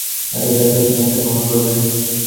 এটাই সত্য-মিথ্যা প্রমাণ করবে!